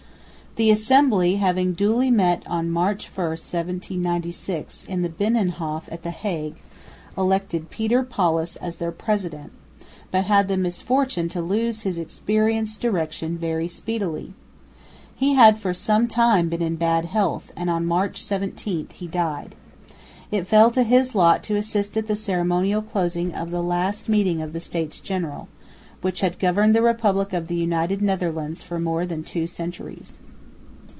The Assembly, having duly met on March 1, 1796, in the Binnenhof at the Hague, elected Pieter Paulus as their president, but had the misfortune to lose his experienced direction very speedily. He had for some time been in bad health, and on March 17 he died. It fell to his lot to assist at the ceremonial closing of the last meeting of the States General, which had governed the Republic of the United Netherlands for more than two centuries.